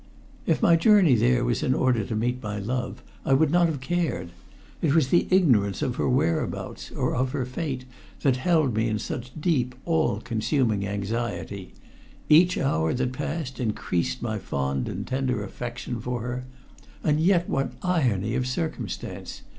If my journey there was in order to meet my love, I would not have cared. It was the ignorance of her whereabouts or of her fate that held me in such deep, all consuming anxiety. Each hour that passed increased my fond and tender affection for her. And yet what irony of circumstance!